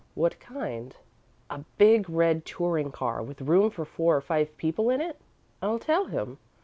What kind?" "A big red touring car, with room for four or five people in it?" "I'll tell him.